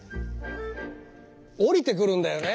降りてくるんだよね！